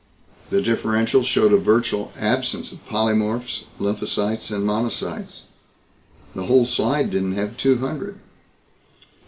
The differential showed a virtual absence of polymorphs, lymphocytes and monocytes. The whole slide didn't have two hundred.